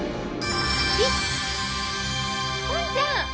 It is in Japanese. えっ⁉ぽんちゃん！